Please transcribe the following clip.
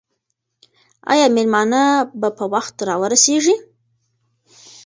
آیا مېلمانه به په وخت راورسېږي؟